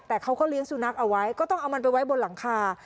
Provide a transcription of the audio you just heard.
แต่เขาก็เลี้ยงสุนัขเอาไว้ก็ต้องเอามันไปไว้บนหลังคา